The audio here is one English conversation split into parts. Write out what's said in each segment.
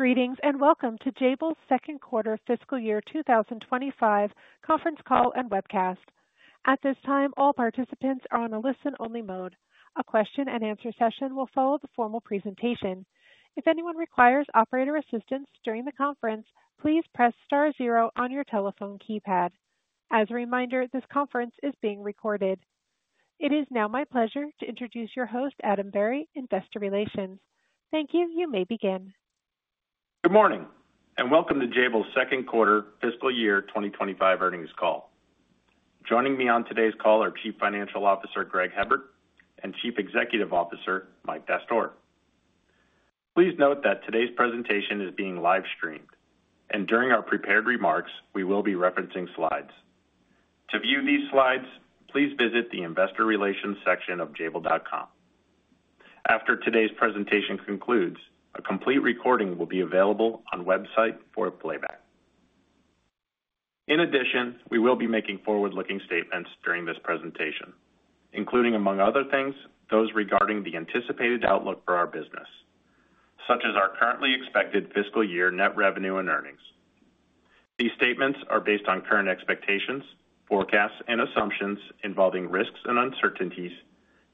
Greetings and welcome to Jabil's Second Quarter Fiscal Year 2025 Conference Call and Webcast. At this time, all participants are on a listen-only mode. A question-and-answer session will follow the formal presentation. If anyone requires operator assistance during the conference, please press star zero on your telephone keypad. As a reminder, this conference is being recorded. It is now my pleasure to introduce your host, Adam Berry, Investor Relations. Thank you. You may begin. Good morning and welcome to Jabil's second quarter fiscal year 2025 earnings call. Joining me on today's call are Chief Financial Officer Greg Hebard and Chief Executive Officer Mike Dastoor. Please note that today's presentation is being live-streamed, and during our prepared remarks, we will be referencing slides. To view these slides, please visit the Investor Relations section of jabil.com. After today's presentation concludes, a complete recording will be available on the website for playback. In addition, we will be making forward-looking statements during this presentation, including, among other things, those regarding the anticipated outlook for our business, such as our currently expected fiscal year net revenue and earnings. These statements are based on current expectations, forecasts, and assumptions involving risks and uncertainties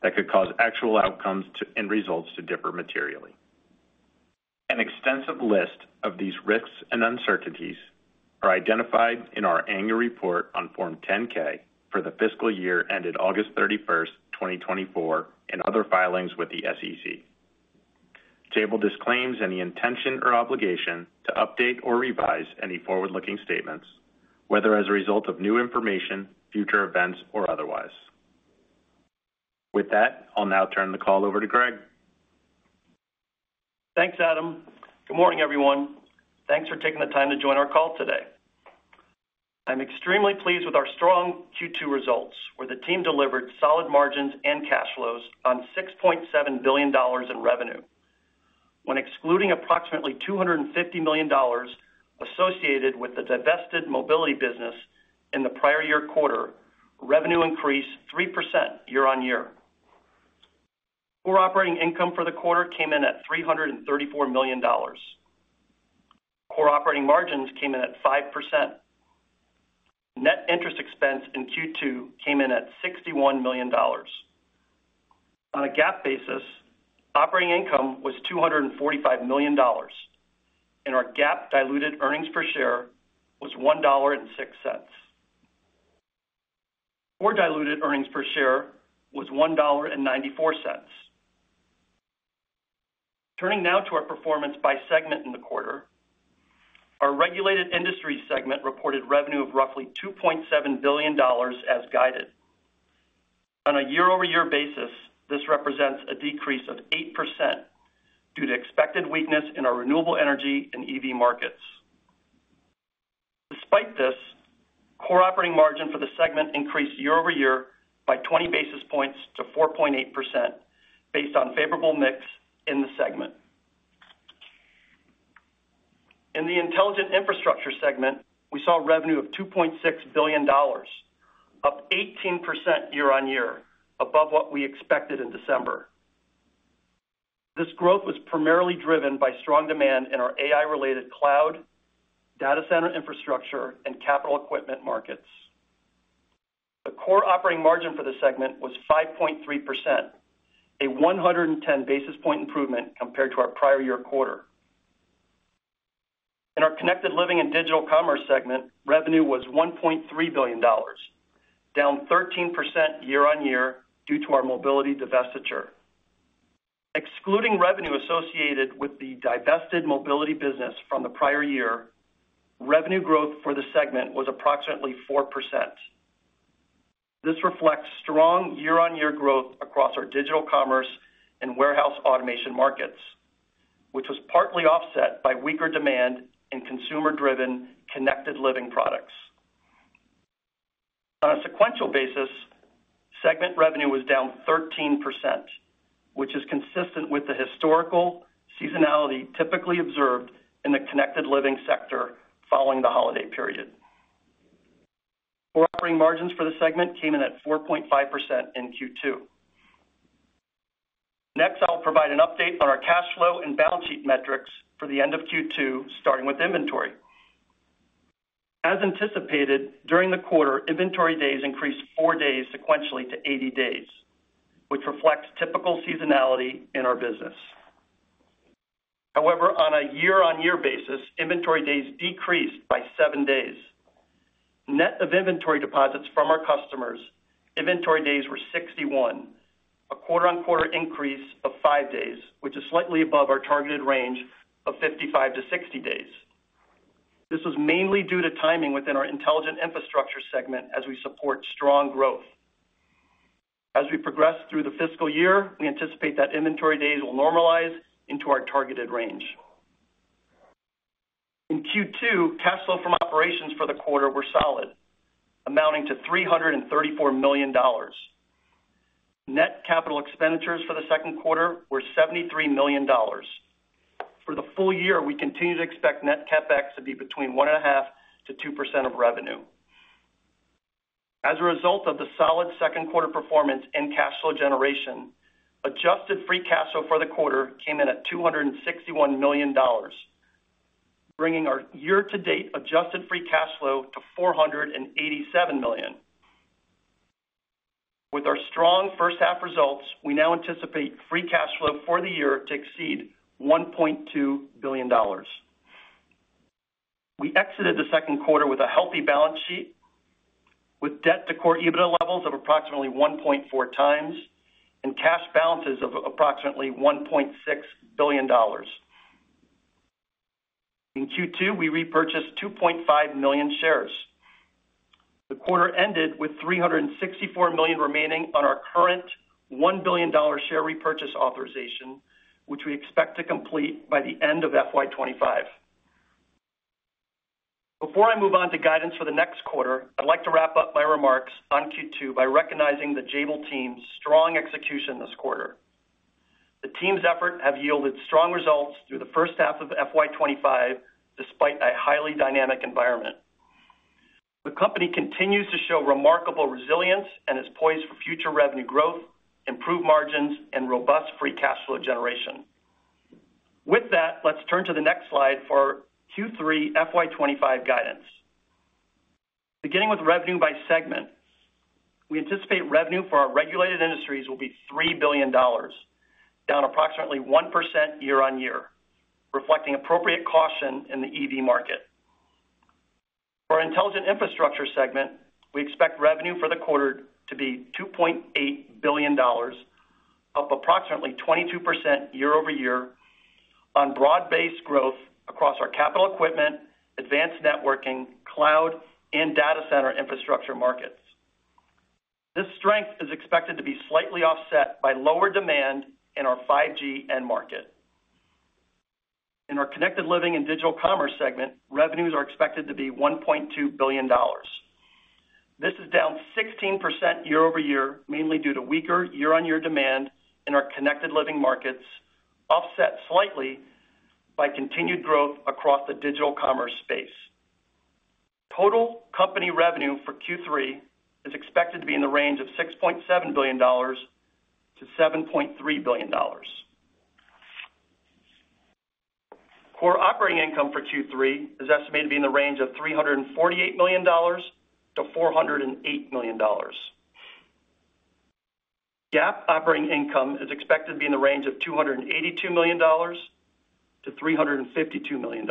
that could cause actual outcomes and results to differ materially. An extensive list of these risks and uncertainties are identified in our annual report on Form 10-K for the fiscal year ended August 31, 2024, and other filings with the SEC. Jabil disclaims any intention or obligation to update or revise any forward-looking statements, whether as a result of new information, future events, or otherwise. With that, I'll now turn the call over to Greg. Thanks, Adam. Good morning, everyone. Thanks for taking the time to join our call today. I'm extremely pleased with our strong Q2 results, where the team delivered solid margins and cash flows on $6.7 billion in revenue. When excluding approximately $250 million associated with the divested Mobility business in the prior year quarter, revenue increased 3% year on year. Core operating income for the quarter came in at $334 million. Core operating margins came in at 5%. Net interest expense in Q2 came in at $61 million. On a GAAP basis, operating income was $245 million, and our GAAP diluted earnings per share was $1.06. Core diluted earnings per share was $1.94. Turning now to our performance by segment in the quarter, our Regulated Industry segment reported revenue of roughly $2.7 billion as guided. On a year-over-year basis, this represents a decrease of 8% due to expected weakness in our renewable energy and EV markets. Despite this, core operating margin for the segment increased year-over-year by 20 basis points to 4.8% based on favorable mix in the segment. In the Intelligent Infrastructure segment, we saw revenue of $2.6 billion, up 18% year on year, above what we expected in December. This growth was primarily driven by strong demand in our AI-related cloud, data center infrastructure, and capital equipment markets. The core operating margin for the segment was 5.3%, a 110 basis point improvement compared to our prior year quarter. In our Connected Living and Digital Commerce segment, revenue was $1.3 billion, down 13% year on year due to our Mobility divestiture. Excluding revenue associated with the divested Mobility business from the prior year, revenue growth for the segment was approximately 4%. This reflects strong year-on-year growth across our digital commerce and warehouse automation markets, which was partly offset by weaker demand and consumer-driven connected living products. On a sequential basis, segment revenue was down 13%, which is consistent with the historical seasonality typically observed in the connected living sector following the holiday period. Core operating margins for the segment came in at 4.5% in Q2. Next, I'll provide an update on our cash flow and balance sheet metrics for the end of Q2, starting with inventory. As anticipated during the quarter, inventory days increased four days sequentially to 80 days, which reflects typical seasonality in our business. However, on a year-on-year basis, inventory days decreased by seven days. Net of inventory deposits from our customers, inventory days were 61, a quarter-on-quarter increase of five days, which is slightly above our targeted range of 55-60 days. This was mainly due to timing within our Intelligent Infrastructure segment as we support strong growth. As we progress through the fiscal year, we anticipate that inventory days will normalize into our targeted range. In Q2, cash flow from operations for the quarter were solid, amounting to $334 million. Net capital expenditures for the second quarter were $73 million. For the full year, we continue to expect net CapEx to be between 1.5%-2% of revenue. As a result of the solid second quarter performance and cash flow generation, adjusted free cash flow for the quarter came in at $261 million, bringing our year-to-date adjusted free cash flow to $487 million. With our strong first-half results, we now anticipate free cash flow for the year to exceed $1.2 billion. We exited the second quarter with a healthy balance sheet, with debt-to-core EBITDA levels of approximately 1.4x and cash balances of approximately $1.6 billion. In Q2, we repurchased 2.5 million shares. The quarter ended with $364 million remaining on our current $1 billion share repurchase authorization, which we expect to complete by the end of FY 2025. Before I move on to guidance for the next quarter, I'd like to wrap up my remarks on Q2 by recognizing the Jabil team's strong execution this quarter. The team's efforts have yielded strong results through the first half of FY 2025, despite a highly dynamic environment. The company continues to show remarkable resilience and is poised for future revenue growth, improved margins, and robust free cash flow generation. With that, let's turn to the next slide for Q3 FY 2025 guidance. Beginning with revenue by segment, we anticipate revenue for our regulated industries will be $3 billion, down approximately 1% year-on-year, reflecting appropriate caution in the EV market. For our Intelligent Infrastructure segment, we expect revenue for the quarter to be $2.8 billion, up approximately 22% year-over-year, on broad-based growth across our capital equipment, advanced networking, cloud, and data center infrastructure markets. This strength is expected to be slightly offset by lower demand in our 5G end market. In our Connected Living and Digital Commerce segment, revenues are expected to be $1.2 billion. This is down 16% year-over-year, mainly due to weaker year-on-year demand in our connected living markets, offset slightly by continued growth across the digital commerce space. Total company revenue for Q3 is expected to be in the range of $6.7 billion-$7.3 billion. Core operating income for Q3 is estimated to be in the range of $348 million-$408 million. GAAP operating income is expected to be in the range of $282 million-$352 million.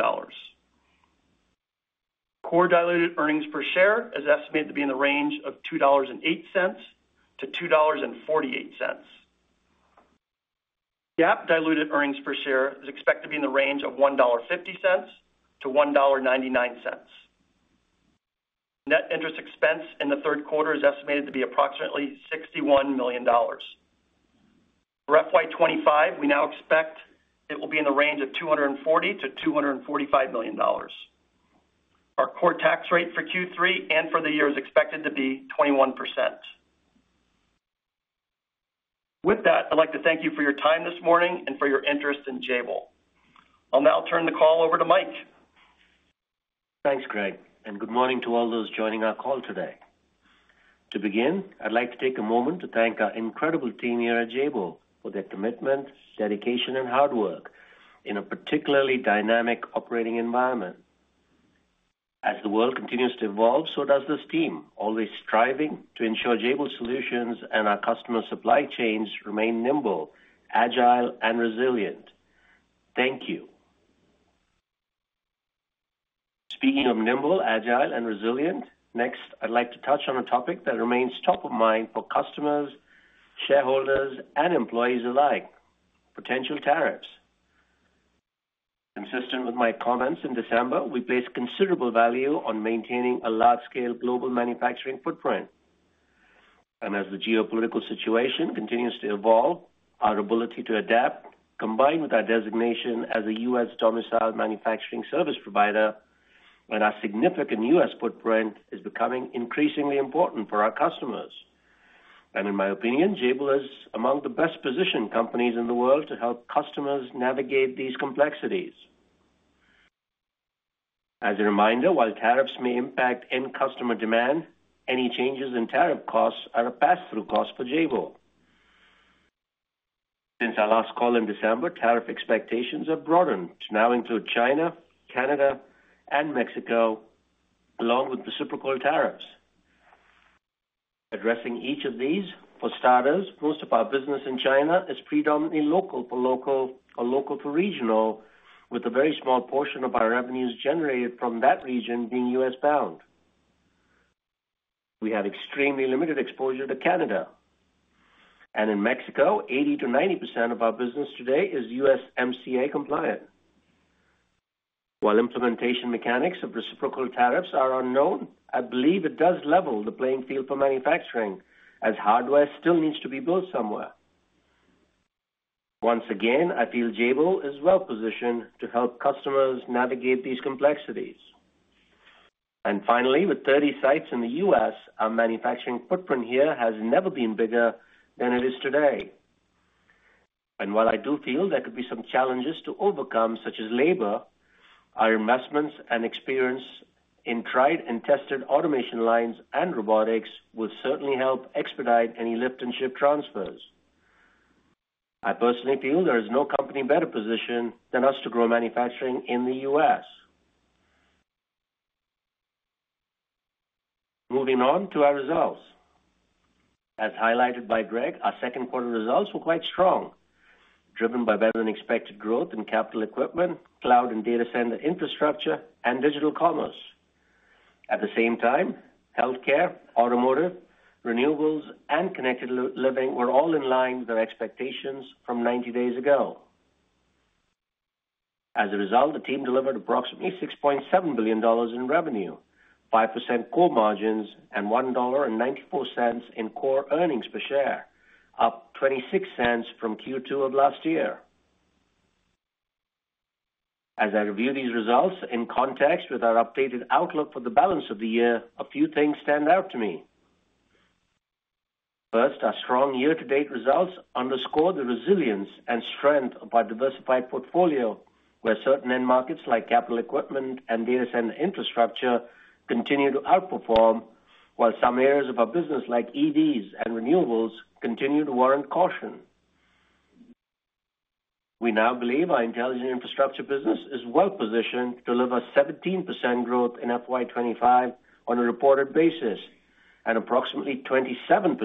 Core diluted earnings per share is estimated to be in the range of $2.08-$2.48. GAAP diluted earnings per share is expected to be in the range of $1.50-$1.99. Net interest expense in the third quarter is estimated to be approximately $61 million. For fiscal year 2025, we now expect it will be in the range of $240 million-$245 million. Our core tax rate for Q3 and for the year is expected to be 21%. With that, I'd like to thank you for your time this morning and for your interest in Jabil. I'll now turn the call over to Mike. Thanks, Greg, and good morning to all those joining our call today. To begin, I'd like to take a moment to thank our incredible team here at Jabil for their commitment, dedication, and hard work in a particularly dynamic operating environment. As the world continues to evolve, so does this team, always striving to ensure Jabil solutions and our customer supply chains remain nimble, agile, and resilient. Thank you. Speaking of nimble, agile, and resilient, next, I'd like to touch on a topic that remains top of mind for customers, shareholders, and employees alike: potential tariffs. Consistent with my comments in December, we place considerable value on maintaining a large-scale global manufacturing footprint. As the geopolitical situation continues to evolve, our ability to adapt, combined with our designation as a U.S.-domiciled manufacturing service provider, and our significant U.S. footprint, is becoming increasingly important for our customers. In my opinion, Jabil is among the best-positioned companies in the world to help customers navigate these complexities. As a reminder, while tariffs may impact end-customer demand, any changes in tariff costs are a pass-through cost for Jabil. Since our last call in December, tariff expectations have broadened to now include China, Canada, and Mexico, along with reciprocal tariffs. Addressing each of these, for starters, most of our business in China is predominantly local for local or local for regional, with a very small portion of our revenues generated from that region being U.S.-bound. We have extremely limited exposure to Canada. In Mexico, 80-90% of our business today is USMCA compliant. While implementation mechanics of reciprocal tariffs are unknown, I believe it does level the playing field for manufacturing, as hardware still needs to be built somewhere. Once again, I feel Jabil is well-positioned to help customers navigate these complexities. Finally, with 30 sites in the U.S., our manufacturing footprint here has never been bigger than it is today. While I do feel there could be some challenges to overcome, such as labor, our investments and experience in tried-and-tested automation lines and robotics will certainly help expedite any lift-and-shift transfers. I personally feel there is no company better positioned than us to grow manufacturing in the U.S. Moving on to our results. As highlighted by Greg, our second-quarter results were quite strong, driven by better-than-expected growth in capital equipment, cloud and data center infrastructure, and digital commerce. At the same time, healthcare, automotive, renewables, and connected living were all in line with our expectations from 90 days ago. As a result, the team delivered approximately $6.7 billion in revenue, 5% core margins, and $1.94 in core earnings per share, up 26 cents from Q2 of last year. As I review these results in context with our updated outlook for the balance of the year, a few things stand out to me. First, our strong year-to-date results underscore the resilience and strength of our diversified portfolio, where certain end markets like capital equipment and data center infrastructure continue to outperform, while some areas of our business, like EVs and renewables, continue to warrant caution. We now believe our Intelligent Infrastructure business is well-positioned to deliver 17% growth in FY 2025 on a reported basis and approximately 27%,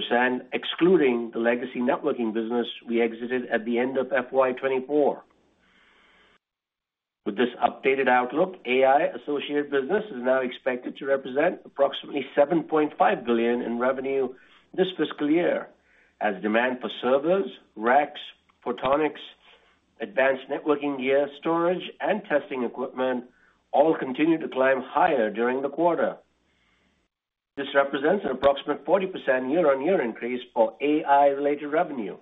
excluding the legacy networking business we exited at the end of FY 2024. With this updated outlook, AI-associated business is now expected to represent approximately $7.5 billion in revenue this fiscal year, as demand for servers, racks, photonics, advanced networking gear, storage, and testing equipment all continue to climb higher during the quarter. This represents an approximate 40% year-on-year increase for AI-related revenue.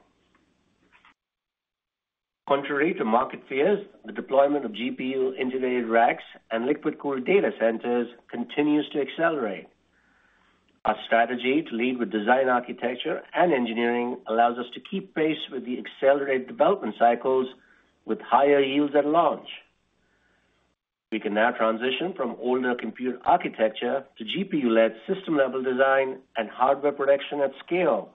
Contrary to market fears, the deployment of GPU-integrated racks and liquid-cooled data centers continues to accelerate. Our strategy to lead with design architecture and engineering allows us to keep pace with the accelerated development cycles with higher yields at launch. We can now transition from older compute architecture to GPU-led system-level design and hardware production at scale,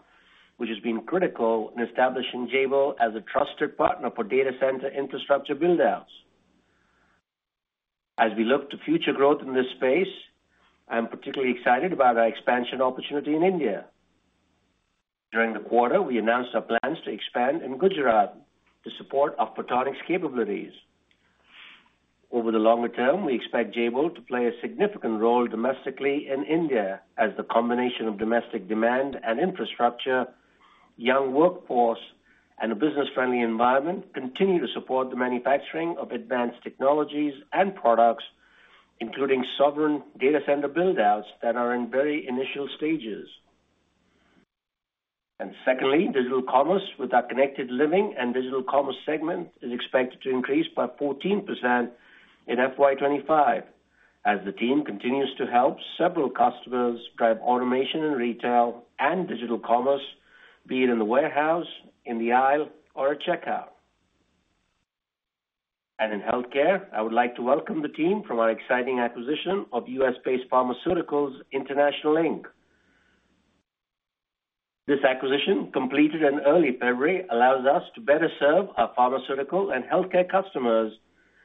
which has been critical in establishing Jabil as a trusted partner for data center infrastructure buildouts. As we look to future growth in this space, I'm particularly excited about our expansion opportunity in India. During the quarter, we announced our plans to expand in Gujarat to support our photonics capabilities. Over the longer term, we expect Jabil to play a significant role domestically in India, as the combination of domestic demand and infrastructure, young workforce, and a business-friendly environment continue to support the manufacturing of advanced technologies and products, including sovereign data center buildouts that are in very initial stages. Secondly, digital commerce with our Connected Living and Digital Commerce segment is expected to increase by 14% in FY 2025, as the team continues to help several customers drive automation in retail and digital commerce, be it in the warehouse, in the aisle, or at checkout. In healthcare, I would like to welcome the team from our exciting acquisition of U.S.-based Pharmaceuticals International Inc. This acquisition, completed in early February, allows us to better serve our pharmaceutical and healthcare customers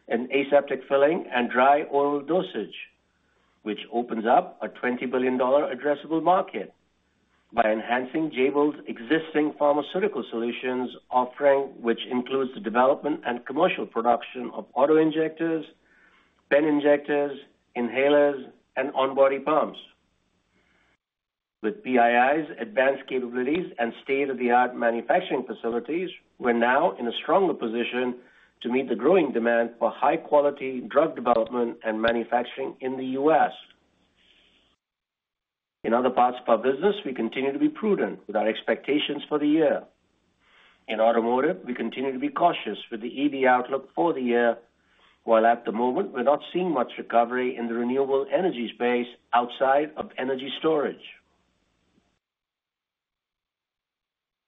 in aseptic filling and dry oral dosage, which opens up a $20 billion addressable market by enhancing Jabil's existing pharmaceutical solutions offering, which includes the development and commercial production of auto injectors, pen injectors, inhalers, and on-body pumps. With PII's advanced capabilities and state-of-the-art manufacturing facilities, we're now in a stronger position to meet the growing demand for high-quality drug development and manufacturing in the U.S. In other parts of our business, we continue to be prudent with our expectations for the year. In automotive, we continue to be cautious with the EV outlook for the year, while at the moment, we're not seeing much recovery in the renewable energy space outside of energy storage.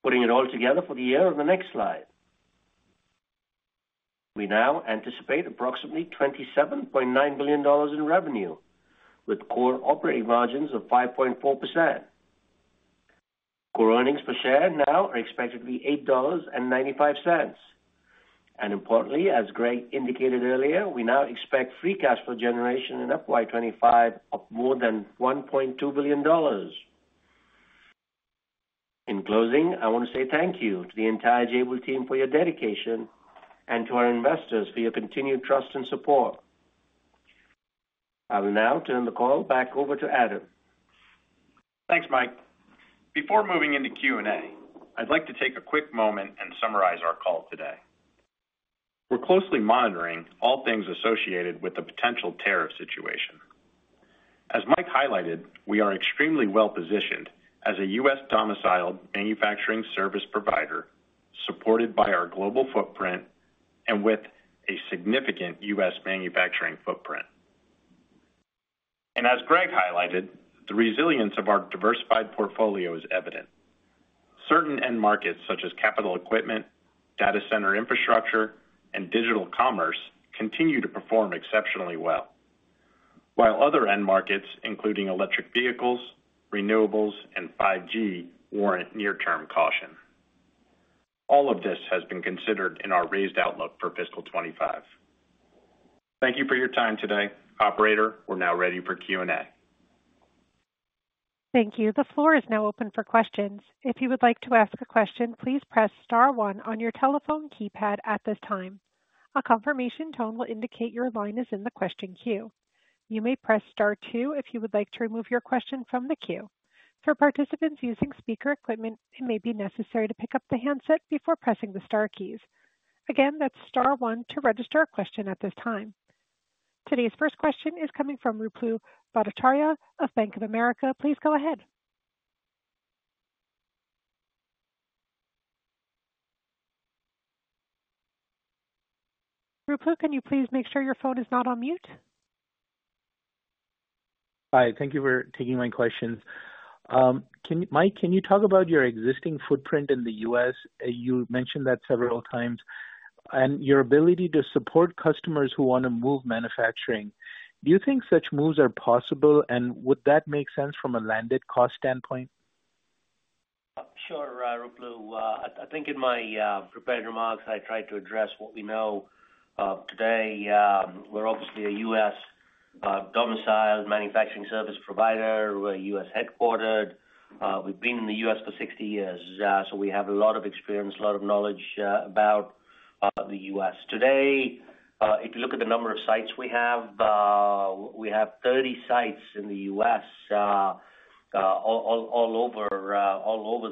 Putting it all together for the year on the next slide, we now anticipate approximately $27.9 billion in revenue, with core operating margins of 5.4%. Core earnings per share now are expected to be $8.95. Importantly, as Greg indicated earlier, we now expect free cash flow generation in FY 2025 of more than $1.2 billion. In closing, I want to say thank you to the entire Jabil team for your dedication and to our investors for your continued trust and support. I will now turn the call back over to Adam. Thanks, Mike. Before moving into Q&A, I'd like to take a quick moment and summarize our call today. We're closely monitoring all things associated with the potential tariff situation. As Mike highlighted, we are extremely well-positioned as a U.S.-domiciled manufacturing service provider, supported by our global footprint and with a significant U.S. manufacturing footprint. As Greg highlighted, the resilience of our diversified portfolio is evident. Certain end markets, such as capital equipment, data center infrastructure, and digital commerce, continue to perform exceptionally well, while other end markets, including electric vehicles, renewables, and 5G, warrant near-term caution. All of this has been considered in our raised outlook for fiscal 2025. Thank you for your time today. Operator, we're now ready for Q&A. Thank you. The floor is now open for questions. If you would like to ask a question, please press star one on your telephone keypad at this time. A confirmation tone will indicate your line is in the question queue. You may press star two if you would like to remove your question from the queue. For participants using speaker equipment, it may be necessary to pick up the handset before pressing the star keys. Again, that's star one to register a question at this time. Today's first question is coming from Ruplu Bhattacharya of Bank of America. Please go ahead. Ruplu, can you please make sure your phone is not on mute? Hi. Thank you for taking my questions. Mike, can you talk about your existing footprint in the U.S.? You mentioned that several times. Your ability to support customers who want to move manufacturing. Do you think such moves are possible, and would that make sense from a landed cost standpoint? Sure, Ruplu. I think in my prepared remarks, I tried to address what we know today. We're obviously a U.S.-domiciled manufacturing service provider. We're U.S.-headquartered. We've been in the U.S. for 60 years, so we have a lot of experience, a lot of knowledge about the U.S. Today, if you look at the number of sites we have, we have 30 sites in the U.S. all over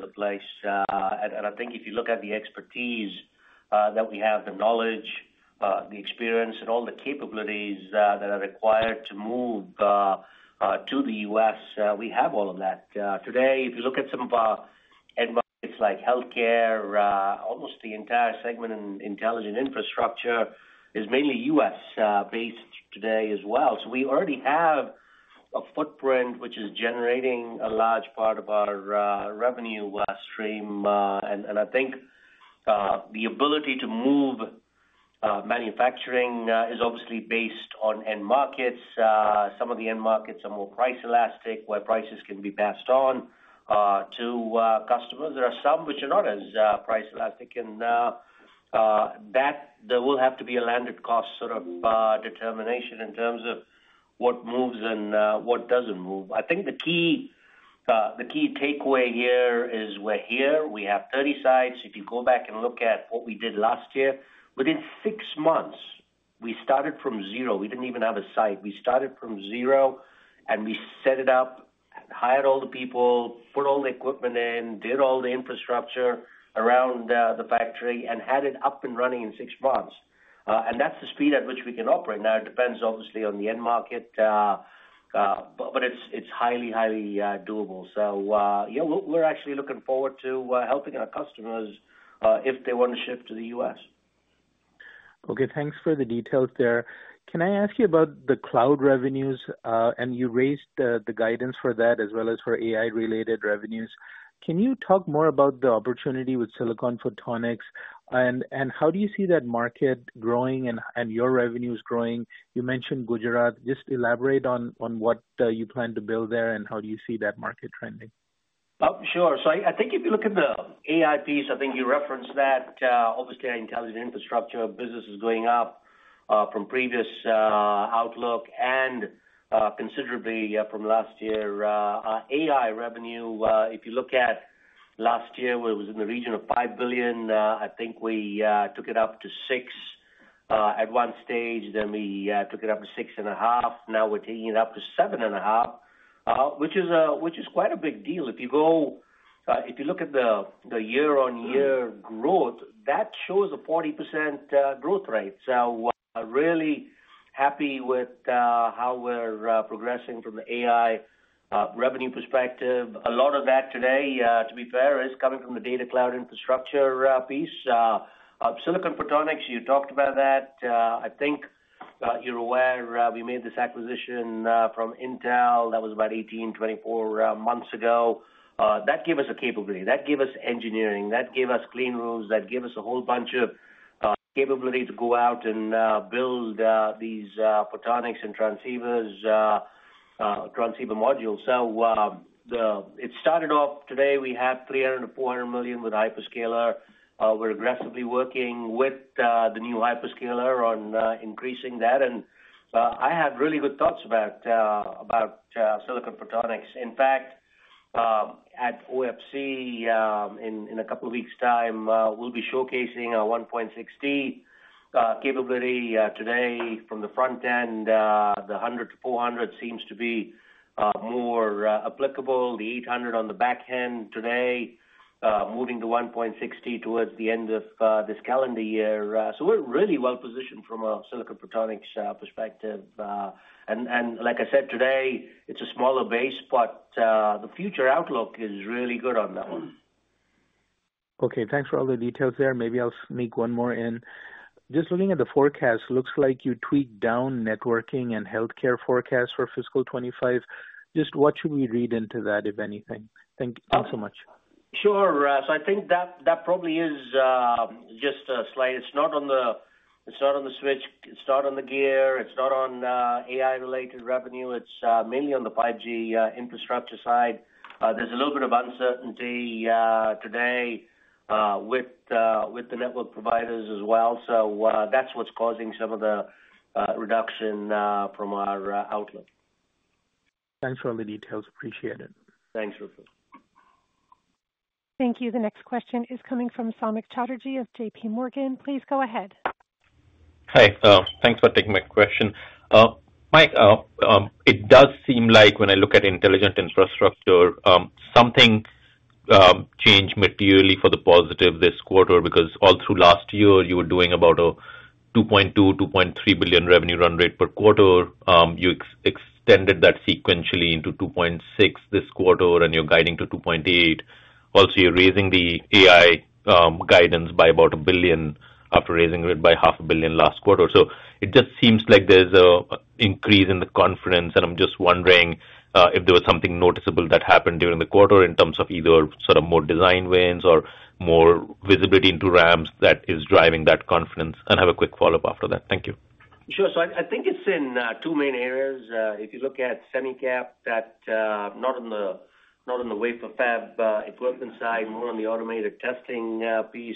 the place. I think if you look at the expertise that we have, the knowledge, the experience, and all the capabilities that are required to move to the U.S., we have all of that. Today, if you look at some of our end markets like healthcare, almost the entire segment in Intelligent Infrastructure is mainly U.S.-based today as well. We already have a footprint which is generating a large part of our revenue stream. I think the ability to move manufacturing is obviously based on end markets. Some of the end markets are more price-elastic, where prices can be passed on to customers. There are some which are not as price-elastic. That will have to be a landed cost sort of determination in terms of what moves and what does not move. I think the key takeaway here is we are here. We have 30 sites. If you go back and look at what we did last year, within six months, we started from zero. We did not even have a site. We started from zero, and we set it up, hired all the people, put all the equipment in, did all the infrastructure around the factory, and had it up and running in six months. That is the speed at which we can operate. Now, it depends obviously on the end market, but it's highly, highly doable. Yeah, we're actually looking forward to helping our customers if they want to shift to the U.S. Okay. Thanks for the details there. Can I ask you about the cloud revenues? You raised the guidance for that as well as for AI-related revenues. Can you talk more about the opportunity with Silicon Photonics, and how do you see that market growing and your revenues growing? You mentioned Gujarat. Just elaborate on what you plan to build there and how do you see that market trending. Sure. I think if you look at the AI piece, I think you referenced that. Obviously, our Intelligent Infrastructure business is going up from previous outlook and considerably from last year. Our AI revenue, if you look at last year, it was in the region of $5 billion. I think we took it up to $6 billion at one stage. Then we took it up to $6.5 billion. Now we're taking it up to $7.5 billion, which is quite a big deal. If you look at the year-on-year growth, that shows a 40% growth rate. Really happy with how we're progressing from the AI revenue perspective. A lot of that today, to be fair, is coming from the data cloud infrastructure piece. Silicon Photonics, you talked about that. I think you're aware we made this acquisition from Intel. That was about 18, 24 months ago. That gave us a capability. That gave us engineering. That gave us clean rooms. That gave us a whole bunch of capability to go out and build these photonics and transceiver modules. It started off today. We have $300 million-$400 million with a hyperscaler. We're aggressively working with the new hyperscaler on increasing that. I have really good thoughts about Silicon Photonics. In fact, at OFC, in a couple of weeks' time, we'll be showcasing our 1.6T capability today from the front end. The 100-400 seems to be more applicable. The 800 on the back end today, moving to 1.6T towards the end of this calendar year. We are really well-positioned from a Silicon Photonics perspective. Like I said, today, it's a smaller base, but the future outlook is really good on that one. Okay. Thanks for all the details there. Maybe I'll sneak one more in. Just looking at the forecast, looks like you tweaked down networking and healthcare forecast for fiscal 2025. Just what should we read into that, if anything? Thanks so much. Sure. I think that probably is just a slight. It's not on the switch. It's not on the gear. It's not on AI-related revenue. It's mainly on the 5G infrastructure side. There's a little bit of uncertainty today with the network providers as well. That's what's causing some of the reduction from our outlook. Thanks for all the details. Appreciate it. Thanks, Ruplu. Thank you. The next question is coming from Samik Chatterjee of JPMorgan. Please go ahead. Hi. Thanks for taking my question. Mike, it does seem like when I look at Intelligent Infrastructure, something changed materially for the positive this quarter because all through last year, you were doing about a $2.2 billion-$2.3 billion revenue run rate per quarter. You extended that sequentially into $2.6 billion this quarter, and you're guiding to $2.8 billion. Also, you're raising the AI guidance by about $1 billion after raising it by $500,000,000 last quarter. It just seems like there's an increase in the confidence. I'm just wondering if there was something noticeable that happened during the quarter in terms of either sort of more design wins or more visibility into ramps that is driving that confidence. I have a quick follow-up after that. Thank you. Sure. I think it's in two main areas. If you look at SemiCap, not on the wafer fab equipment side, more on the automated testing piece.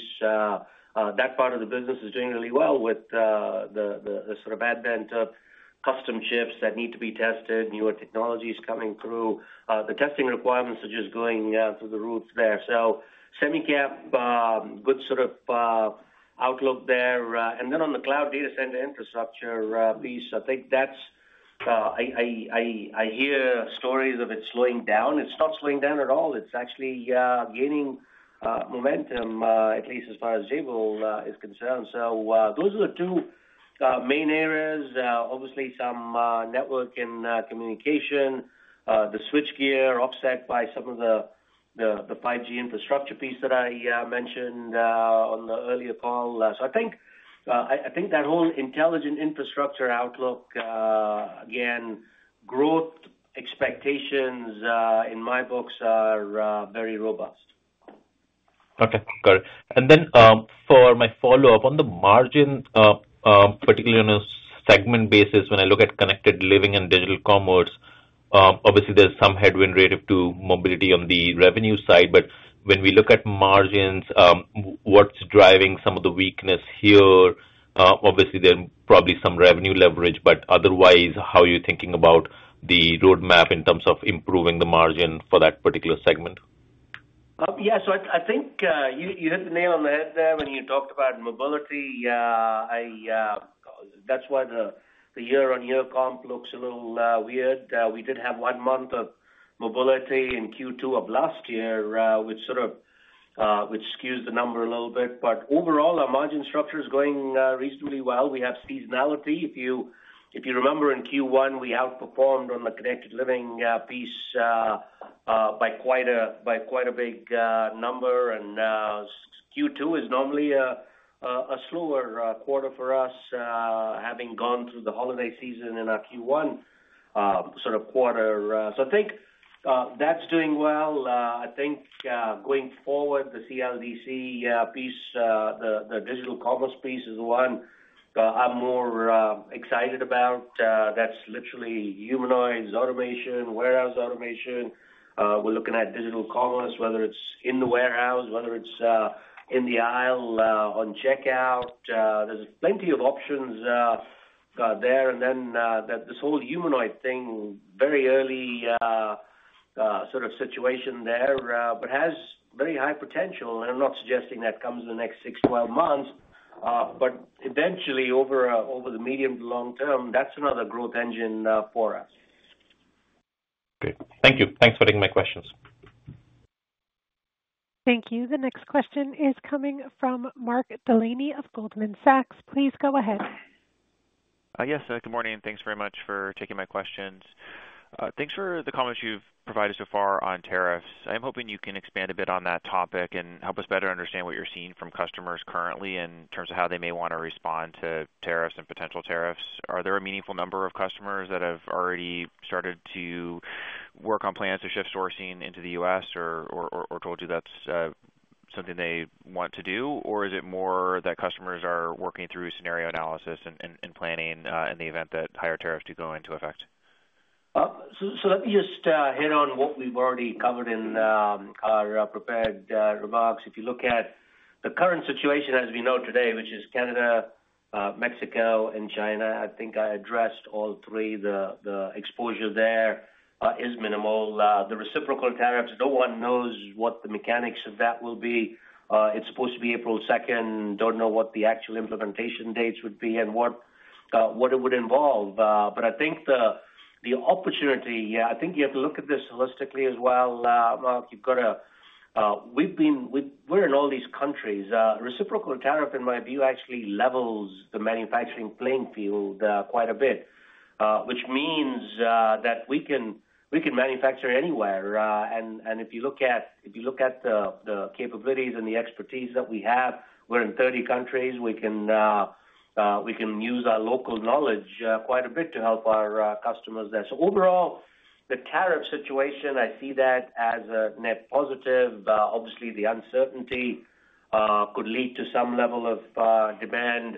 That part of the business is doing really well with the sort of advent of custom chips that need to be tested. Newer technology is coming through. The testing requirements are just going through the roof there. SemiCap, good sort of outlook there. Then on the cloud data center infrastructure piece, I think that's I hear stories of it slowing down. It's not slowing down at all. It's actually gaining momentum, at least as far as Jabil is concerned. Those are the two main areas. Obviously, some network and communication, the switchgear offset by some of the 5G infrastructure piece that I mentioned on the earlier call. I think that whole Intelligent Infrastructure outlook, again, growth expectations in my books are very robust. Okay. Got it. For my follow-up on the margin, particularly on a segment basis, when I look at Connected Living and Digital Commerce, obviously, there's some headwind relative to Mobility on the revenue side. When we look at margins, what's driving some of the weakness here? Obviously, there's probably some revenue leverage, but otherwise, how are you thinking about the roadmap in terms of improving the margin for that particular segment? Yeah. I think you hit the nail on the head there when you talked about Mobility. That is why the year-on-year comp looks a little weird. We did have one month of Mobility in Q2 of last year, which sort of skews the number a little bit. Overall, our margin structure is going reasonably well. We have seasonality. If you remember, in Q1, we outperformed on the connected living piece by quite a big number. Q2 is normally a slower quarter for us, having gone through the holiday season in our Q1 quarter. I think that is doing well. I think going forward, the CLDC piece, the digital commerce piece is the one I am more excited about. That is literally humanoids automation, warehouse automation. We are looking at digital commerce, whether it is in the warehouse, whether it is in the aisle on checkout. There are plenty of options there. This whole humanoid thing, very early sort of situation there, but has very high potential. I am not suggesting that comes in the next 6-12 months. Eventually, over the medium to long term, that is another growth engine for us. Okay. Thank you. Thanks for taking my questions. Thank you. The next question is coming from Mark Delaney of Goldman Sachs. Please go ahead. Yes. Good morning. Thanks very much for taking my questions. Thanks for the comments you've provided so far on tariffs. I am hoping you can expand a bit on that topic and help us better understand what you're seeing from customers currently in terms of how they may want to respond to tariffs and potential tariffs. Are there a meaningful number of customers that have already started to work on plans to shift sourcing into the U.S. or told you that's something they want to do? Is it more that customers are working through scenario analysis and planning in the event that higher tariffs do go into effect? Let me just hit on what we've already covered in our prepared remarks. If you look at the current situation, as we know today, which is Canada, Mexico, and China, I think I addressed all three. The exposure there is minimal. The reciprocal tariffs, no one knows what the mechanics of that will be. It is supposed to be April 2. Do not know what the actual implementation dates would be and what it would involve. I think the opportunity, yeah, I think you have to look at this holistically as well. Marky, we are in all these countries. Reciprocal tariff, in my view, actually levels the manufacturing playing field quite a bit, which means that we can manufacture anywhere. If you look at the capabilities and the expertise that we have, we are in 30 countries. We can use our local knowledge quite a bit to help our customers there. Overall, the tariff situation, I see that as a net positive. Obviously, the uncertainty could lead to some level of demand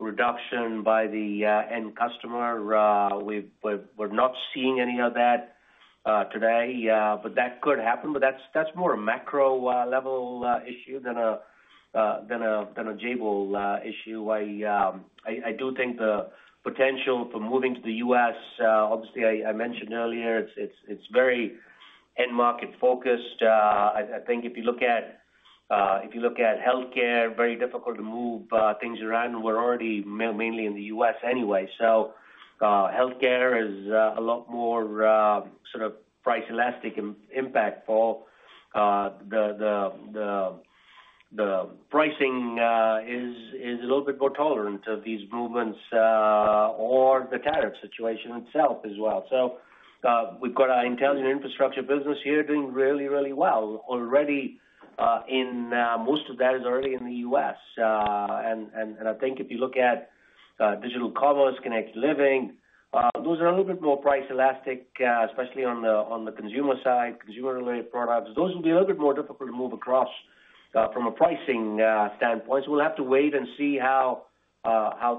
reduction by the end customer. We're not seeing any of that today, but that could happen. That's more a macro-level issue than a Jabil issue. I do think the potential for moving to the U.S., obviously, I mentioned earlier, it's very end market focused. I think if you look at healthcare, very difficult to move things around. We're already mainly in the U.S. anyway. Healthcare is a lot more sort of price-elastic and impactful. The pricing is a little bit more tolerant of these movements or the tariff situation itself as well. We've got our Intelligent Infrastructure business here doing really, really well. Already, most of that is already in the U.S. I think if you look at digital commerce, connected living, those are a little bit more price-elastic, especially on the consumer side, consumer-related products. Those will be a little bit more difficult to move across from a pricing standpoint. We will have to wait and see how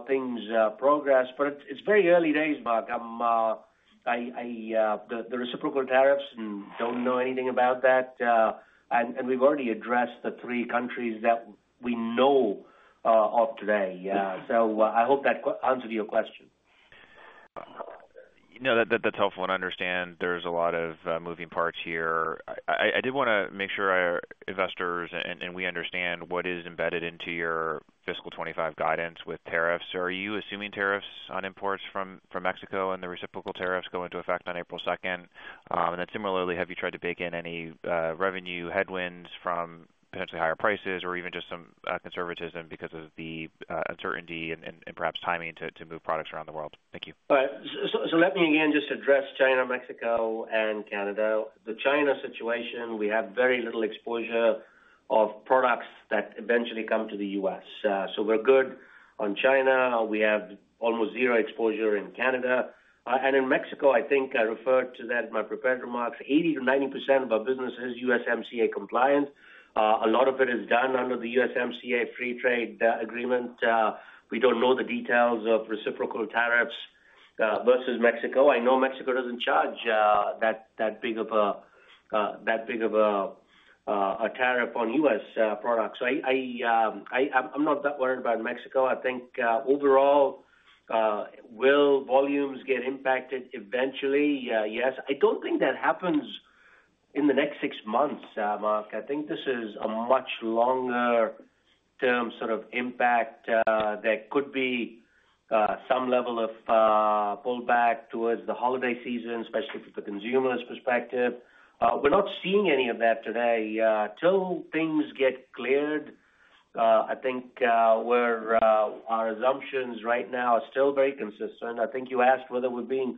things progress. It is very early days, Mark. The reciprocal tariffs, do not know anything about that. We have already addressed the three countries that we know of today. I hope that answered your question. No, that's helpful. I understand there's a lot of moving parts here. I did want to make sure our investors and we understand what is embedded into your fiscal 2025 guidance with tariffs. Are you assuming tariffs on imports from Mexico and the reciprocal tariffs go into effect on April 2? Similarly, have you tried to bake in any revenue headwinds from potentially higher prices or even just some conservatism because of the uncertainty and perhaps timing to move products around the world? Thank you. Let me again just address China, Mexico, and Canada. The China situation, we have very little exposure of products that eventually come to the U.S. We are good on China. We have almost zero exposure in Canada. In Mexico, I think I referred to that in my prepared remarks, 80-90% of our business is USMCA compliant. A lot of it is done under the USMCA Free Trade Agreement. We do not know the details of reciprocal tariffs versus Mexico. I know Mexico does not charge that big of a tariff on U.S. products. I am not that worried about Mexico. I think overall, will volumes get impacted eventually? Yes. I do not think that happens in the next six months, Mark. I think this is a much longer-term sort of impact. There could be some level of pullback towards the holiday season, especially from the consumer's perspective. We're not seeing any of that today. Until things get cleared, I think our assumptions right now are still very consistent. I think you asked whether we're being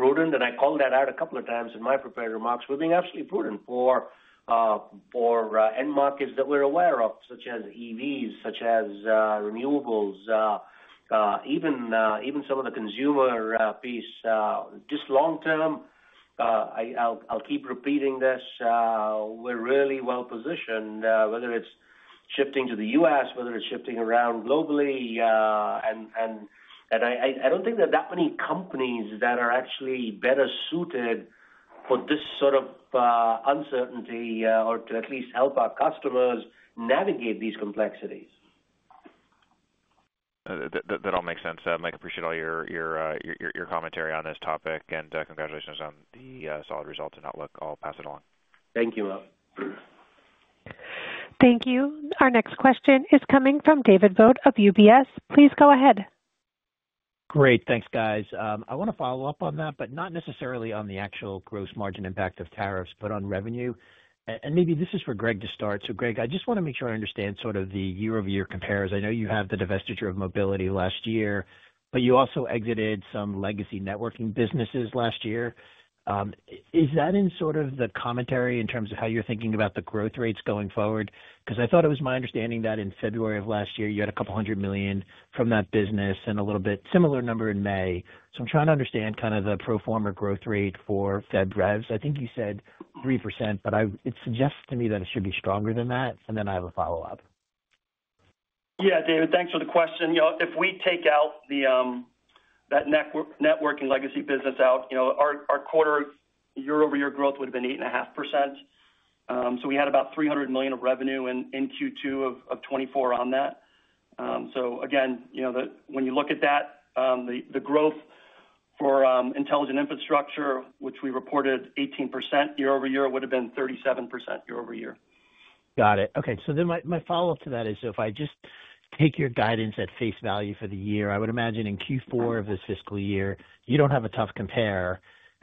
prudent, and I called that out a couple of times in my prepared remarks. We're being absolutely prudent for end markets that we're aware of, such as EVs, such as renewables, even some of the consumer piece. Just long term, I'll keep repeating this, we're really well-positioned, whether it's shifting to the U.S., whether it's shifting around globally. I don't think there are that many companies that are actually better suited for this sort of uncertainty or to at least help our customers navigate these complexities. That all makes sense. Mike, appreciate all your commentary on this topic. Congratulations on the solid results and outlook. I'll pass it along. Thank you, Mark. Thank you. Our next question is coming from David Vogt of UBS. Please go ahead. Great. Thanks, guys. I want to follow up on that, but not necessarily on the actual gross margin impact of tariffs, but on revenue. Maybe this is for Greg to start. Greg, I just want to make sure I understand sort of the year-over-year comparisons. I know you have the divestiture of Mobility last year, but you also exited some legacy networking businesses last year. Is that in sort of the commentary in terms of how you're thinking about the growth rates going forward? I thought it was my understanding that in February of last year, you had a couple hundred million from that business and a little bit similar number in May. I'm trying to understand kind of the pro forma growth rate for that ramp. I think you said 3%, but it suggests to me that it should be stronger than that. I have a follow-up. Yeah, David, thanks for the question. If we take out that networking legacy business out, our quarter year-over-year growth would have been 8.5%. We had about $300 million of revenue in Q2 of 2024 on that. When you look at that, the growth for Intelligent Infrastructure, which we reported 18% year-over-year, would have been 37% year-over-year. Got it. Okay. My follow-up to that is if I just take your guidance at face value for the year, I would imagine in Q4 of this fiscal year, you do not have a tough compare.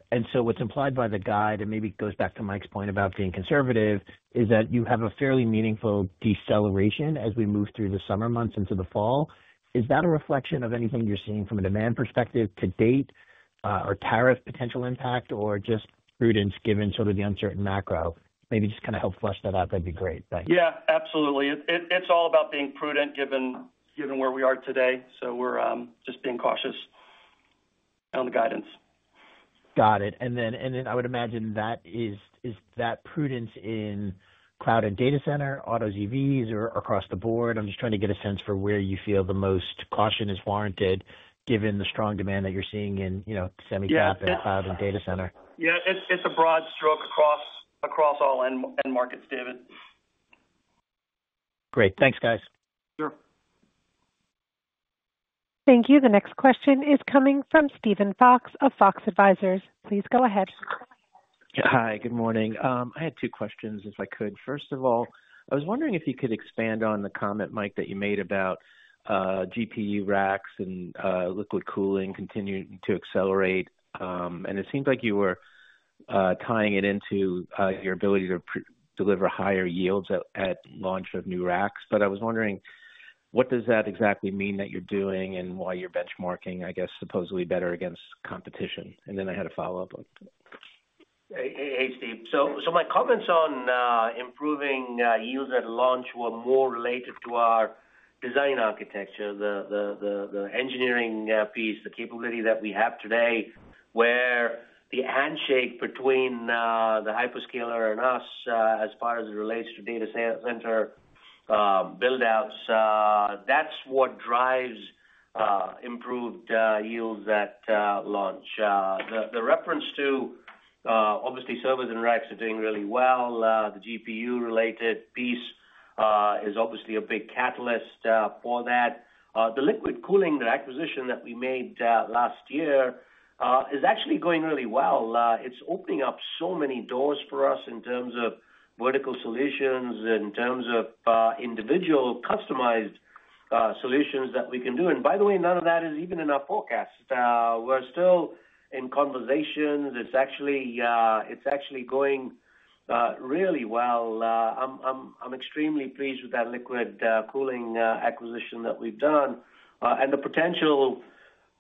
What is implied by the guide, and maybe it goes back to Mike's point about being conservative, is that you have a fairly meaningful deceleration as we move through the summer months into the fall. Is that a reflection of anything you are seeing from a demand perspective to date or tariff potential impact or just prudence given sort of the uncertain macro? Maybe just kind of help flush that out, that would be great. Thanks. Yeah, absolutely. It's all about being prudent given where we are today. We're just being cautious on the guidance. Got it. I would imagine that is that prudence in cloud and data center, autos, EVs, or across the board? I'm just trying to get a sense for where you feel the most caution is warranted given the strong demand that you're seeing in semi-cap and cloud and data center. Yeah. It's a broad stroke across all end markets, David. Great. Thanks, guys. Sure. Thank you. The next question is coming from Steven Fox of Fox Advisors. Please go ahead. Hi, good morning. I had two questions, if I could. First of all, I was wondering if you could expand on the comment, Mike, that you made about GPU racks and liquid cooling continuing to accelerate. It seemed like you were tying it into your ability to deliver higher yields at launch of new racks. I was wondering, what does that exactly mean that you're doing and why you're benchmarking, I guess, supposedly better against competition? I had a follow-up on. Hey, Steve. My comments on improving yields at launch were more related to our design architecture, the engineering piece, the capability that we have today, where the handshake between the hyperscaler and us as far as it relates to data center buildouts, that's what drives improved yields at launch. The reference to, obviously, servers and racks are doing really well. The GPU-related piece is obviously a big catalyst for that. The liquid cooling, the acquisition that we made last year is actually going really well. It's opening up so many doors for us in terms of vertical solutions, in terms of individual customized solutions that we can do. By the way, none of that is even in our forecasts. We're still in conversations. It's actually going really well. I'm extremely pleased with that liquid cooling acquisition that we've done and the potential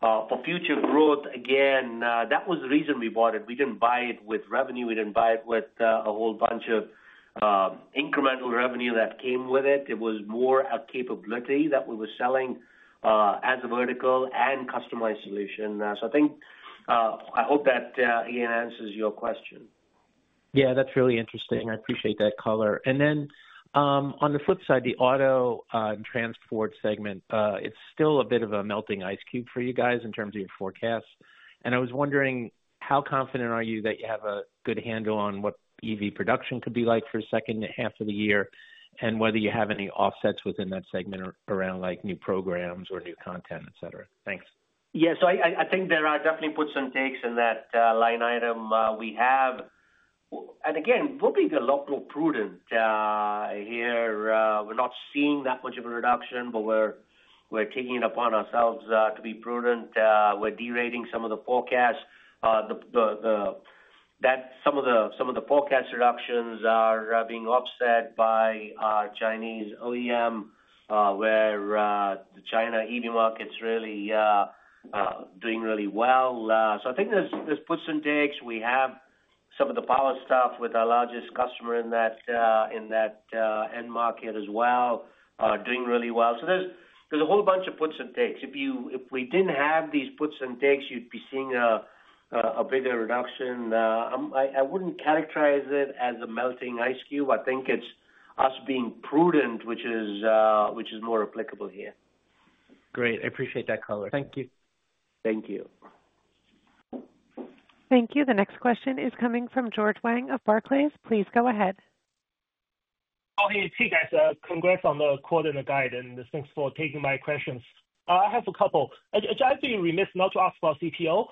for future growth. Again, that was the reason we bought it. We did not buy it with revenue. We did not buy it with a whole bunch of incremental revenue that came with it. It was more a capability that we were selling as a vertical and customized solution. I hope that, again, answers your question. Yeah, that's really interesting. I appreciate that color. On the flip side, the auto and transport segment, it's still a bit of a melting ice cube for you guys in terms of your forecasts. I was wondering, how confident are you that you have a good handle on what EV production could be like for the second half of the year and whether you have any offsets within that segment around new programps or new content, etc.? Thanks. Yeah. I think there are definitely puts and takes in that line item we have. Again, we'll be a lot more prudent here. We're not seeing that much of a reduction, but we're taking it upon ourselves to be prudent. We're derating some of the forecasts. Some of the forecast reductions are being offset by our Chinese OEM, where the China EV market's really doing really well. I think there's puts and takes. We have some of the power stuff with our largest customer in that end market as well, doing really well. There's a whole bunch of puts and takes. If we didn't have these puts and takes, you'd be seeing a bigger reduction. I wouldn't characterize it as a melting ice cube. I think it's us being prudent, which is more applicable here. Great. I appreciate that color. Thank you. Thank you. Thank you. The next question is coming from George Wang of Barclays. Please go ahead. Oh, hey, guys. Congrats on the quote and the guide. Thanks for taking my questions. I have a couple. I'd be remiss not to ask for a CPO,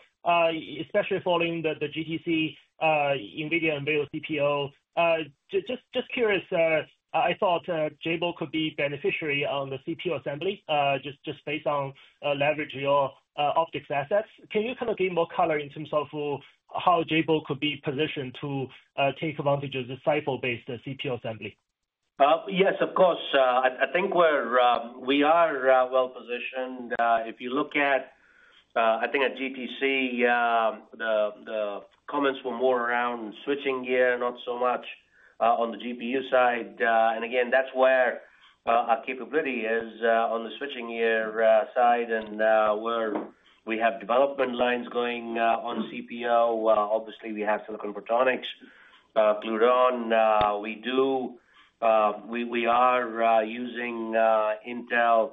especially following the GTC NVIDIA Unveil CPO. Just curious, I thought Jabil could be beneficiary on the CPO assembly just based on leveraging your optics assets. Can you kind of give more color in terms of how Jabil could be positioned to take advantage of the SIPHO-based CPO assembly? Yes, of course. I think we are well-positioned. If you look at, I think, at GTC, the comments were more around switching gear, not so much on the GPU side. That's where our capability is on the switching gear side. We have development lines going on CPO. Obviously, we have Silicon Photonics, Pluton. We are using Intel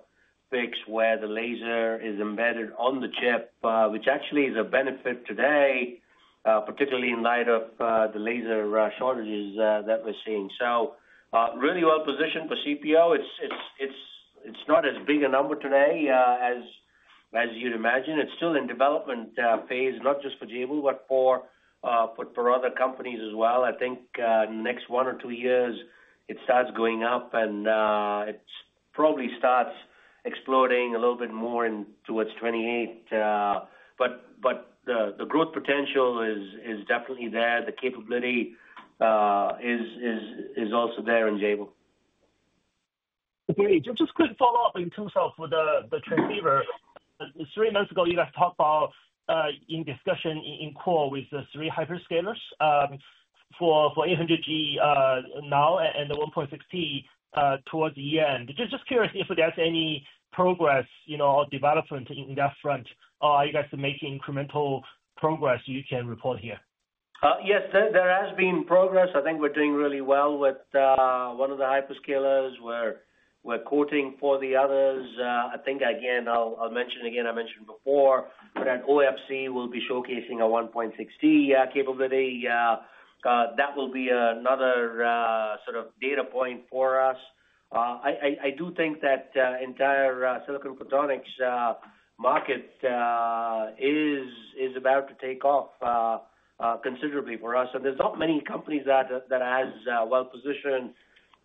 PICs, where the laser is embedded on the chip, which actually is a benefit today, particularly in light of the laser shortages that we're seeing. Really well-positioned for CPO. It's not as big a number today as you'd imagine. It's still in development phase, not just for Jabil, but for other companies as well. I think in the next one or two years, it starts going up, and it probably starts exploding a little bit more into its 2028. The growth potential is definitely there. The capability is also there in Jabil. Just quick follow-up in terms of the transceiver. Three months ago, you guys talked about in discussion in core with the three hyperscalers for 800G now and the 1.6T towards the end. Just curious if there's any progress or development in that front. Are you guys making incremental progress you can report here? Yes, there has been progress. I think we're doing really well with one of the hyperscalers. We're quoting for the others. I think, again, I'll mention again, I mentioned before, that OFC will be showcasing a 1.6T capability. That will be another sort of data point for us. I do think that entire Silicon Photonics market is about to take off considerably for us. There are not many companies that are as well-positioned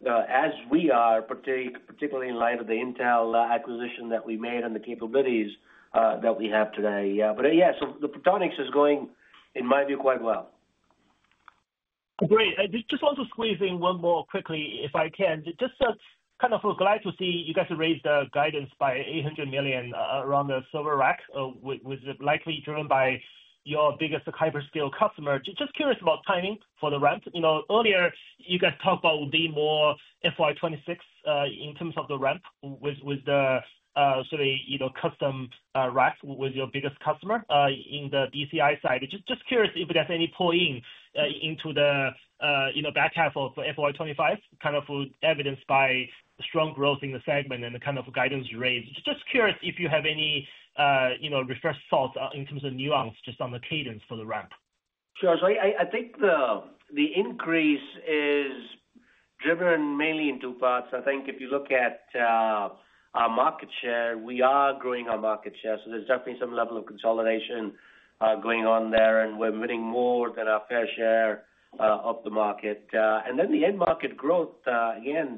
as we are, particularly in light of the Intel acquisition that we made and the capabilities that we have today. Yeah, the Photonics is going, in my view, quite well. Great. Just want to squeeze in one more quickly, if I can. Just kind of glad to see you guys raised guidance by $800 million around the server rack, which is likely driven by your biggest hyperscale customer. Just curious about timing for the ramp. Earlier, you guys talked about being more FY 2026 in terms of the ramp with the sort of custom racks with your biggest customer in the DCI side. Just curious if there's any pull-in into the back half of FY 2025, kind of evidenced by strong growth in the segment and the kind of guidance you raised. Just curious if you have any refreshed thoughts in terms of nuance just on the cadence for the ramp. Sure. I think the increase is driven mainly in two parts. I think if you look at our market share, we are growing our market share. There is definitely some level of consolidation going on there, and we are winning more than our fair share of the market. The end market growth, again,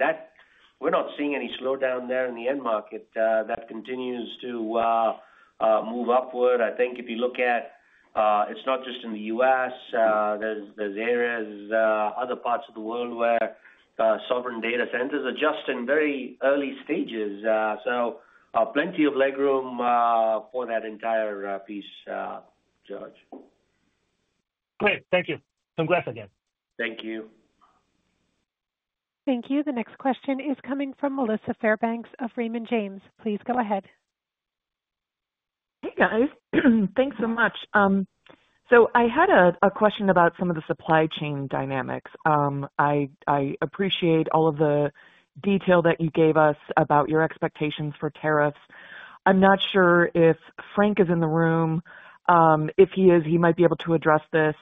we are not seeing any slowdown there in the end market. That continues to move upward. I think if you look at, it is not just in the U.S. There are areas, other parts of the world where sovereign data centers are just in very early stages. Plenty of legroom for that entire piece, George. Great. Thank you. Congrats again. Thank you. Thank you. The next question is coming from Melissa Fairbanks of Raymond James. Please go ahead. Hey, guys. Thanks so much. I had a question about some of the supply chain dynamics. I appreciate all of the detail that you gave us about your expectations for tariffs. I'm not sure if Frank is in the room. If he is, he might be able to address this.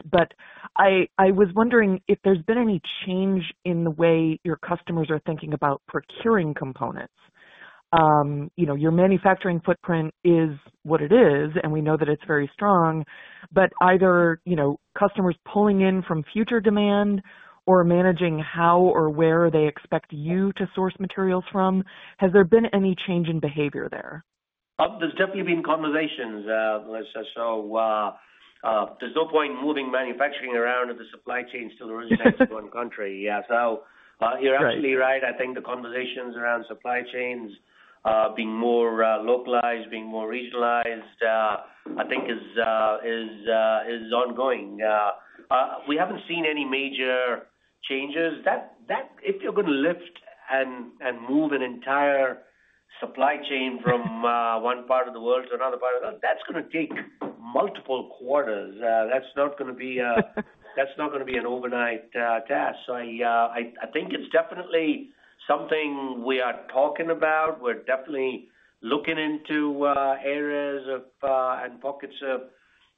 I was wondering if there's been any change in the way your customers are thinking about procuring components. Your manufacturing footprint is what it is, and we know that it's very strong. Either customers pulling in from future demand or managing how or where they expect you to source materials from, has there been any change in behavior there? There's definitely been conversations. There's no point in moving manufacturing around if the supply chain still remains in one country. Yeah. You're absolutely right. I think the conversations around supply chains being more localized, being more regionalized, I think is ongoing. We haven't seen any major changes. If you're going to lift and move an entire supply chain from one part of the world to another part of the world, that's going to take multiple quarters. That's not going to be an overnight task. I think it's definitely something we are talking about. We're definitely looking into areas and pockets of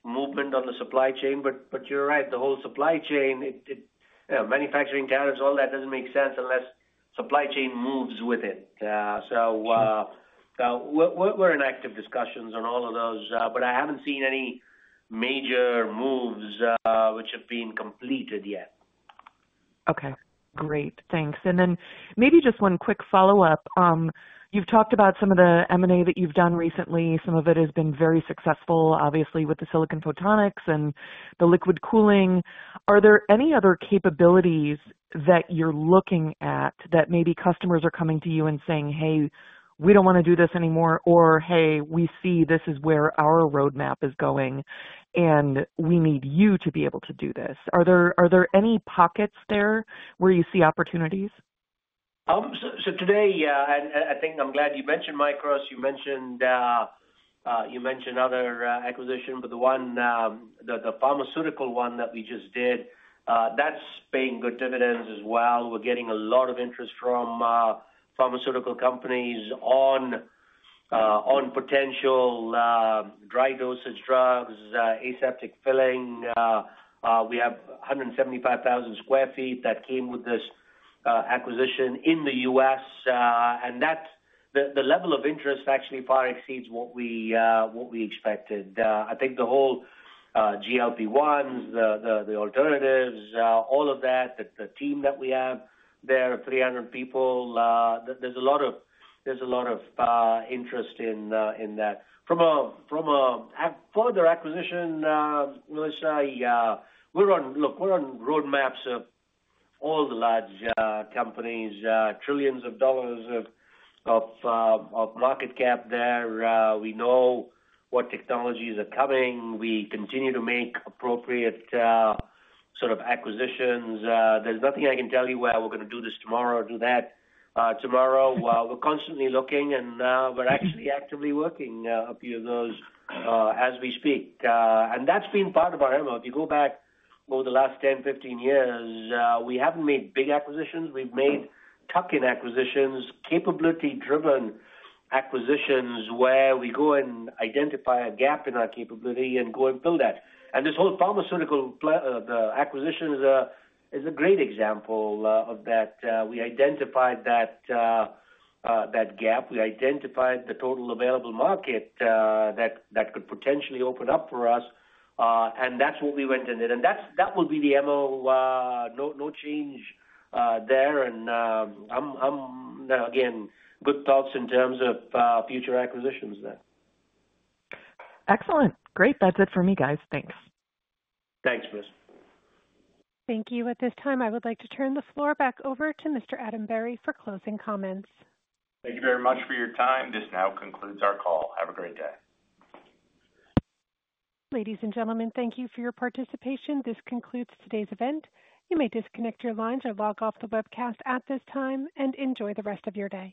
movement on the supply chain. You're right, the whole supply chain, manufacturing, tariffs, all that doesn't make sense unless supply chain moves with it. We're in active discussions on all of those. I have not seen any major moves which have been completed yet. Okay. Great. Thanks. Maybe just one quick follow-up. You've talked about some of the M&A that you've done recently. Some of it has been very successful, obviously, with the Silicon Photonics and the liquid cooling. Are there any other capabilities that you're looking at that maybe customers are coming to you and saying, "Hey, we don't want to do this anymore," or, "Hey, we see this is where our roadmap is going, and we need you to be able to do this"? Are there any pockets there where you see opportunities? I think I'm glad you mentioned Mikros. You mentioned other acquisitions. The pharmaceutical one that we just did, that's paying good dividends as well. We're getting a lot of interest from pharmaceutical companies on potential dry dosage drugs, aseptic filling. We have 175,000 sq ft that came with this acquisition in the U.S. The level of interest actually far exceeds what we expected. I think the whole GLP-1s, the alternatives, all of that, the team that we have there, 300 people, there's a lot of interest in that. From a further acquisition, Melissa, look, we're on roadmaps of all the large companies, trillions of dollars of market cap there. We know what technologies are coming. We continue to make appropriate sort of acquisitions. There's nothing I can tell you where we're going to do this tomorrow or do that tomorrow. We're constantly looking, and we're actually actively working a few of those as we speak. That's been part of our MO. If you go back over the last 10, 15 years, we haven't made big acquisitions. We've made tuck-in acquisitions, capability-driven acquisitions where we go and identify a gap in our capability and go and fill that. This whole pharmaceutical acquisition is a great example of that. We identified that gap. We identified the total available market that could potentially open up for us. That's what we went in it. That will be the MO. No change there. Good thoughts in terms of future acquisitions there. Excellent. Great. That's it for me, guys. Thanks. Thanks, Melissa. Thank you. At this time, I would like to turn the floor back over to Mr. Adam Berry for closing comments. Thank you very much for your time. This now concludes our call. Have a great day. Ladies and gentlemen, thank you for your participation. This concludes today's event. You may disconnect your lines or log off the webcast at this time and enjoy the rest of your day.